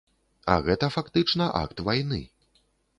А гэта фактычна акт вайны.